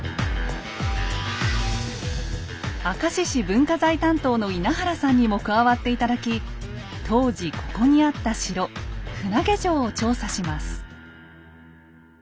明石市文化財担当の稲原さんにも加わって頂き当時ここにあった城船上城を調査します。